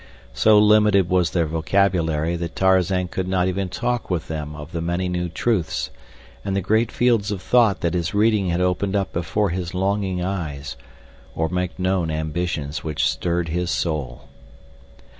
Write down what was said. So limited was their vocabulary that Tarzan could not even talk with them of the many new truths, and the great fields of thought that his reading had opened up before his longing eyes, or make known ambitions which stirred his soul.